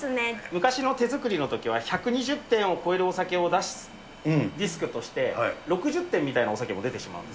昔の手造りのときは、１２０点を超えるお酒を出すリスクとして、６０点のお酒も出てしまうこ